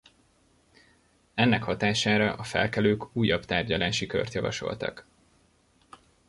Ennek hatására a felkelők újabb tárgyalási kört javasoltak.